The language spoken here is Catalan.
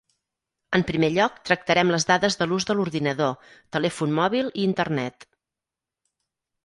En primer lloc, tractarem les dades de l’ús de l’ordinador, telèfon mòbil i Internet.